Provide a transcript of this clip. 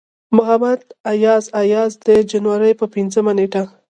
محمد اياز اياز د جنوري پۀ پينځمه نيټه